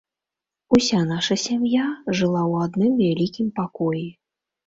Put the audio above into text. Уся наша сям'я жыла ў адным вялікім пакоі.